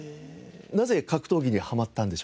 なぜ格闘技にハマったんでしょうか？